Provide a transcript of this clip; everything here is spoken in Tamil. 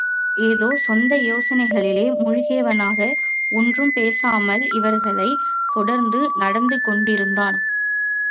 ஏதோ சொந்த யோசனைகளிலே மூழ்கியவனாக ஒன்றும் பேசாமல் இவர்களைத் தொடர்ந்து நடந்து கொண்டிருந்தான்.